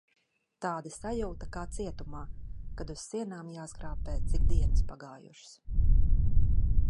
Tāda sajūta kā cietumā, kad uz sienām jāskrāpē cik dienas pagājušas...